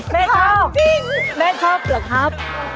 แม่ชอบแม่ชอบเหรอครับครับจริงครับ